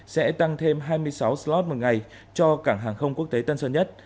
sẽ tăng thêm hai mươi sáu slot một ngày cho cảng hàng không quốc tế tân sơn nhất